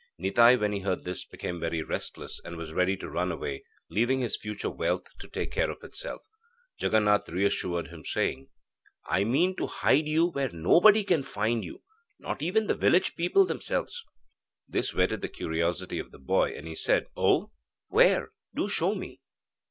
Nitai, when he heard this, became very restless and was ready to run away, leaving his future wealth to take care of itself. Jaganath reassured him, saying: 'I mean to hide you where nobody can find you not even the village people themselves.' This whetted the curiosity of the boy and he said: 'Oh, where? Do show me.'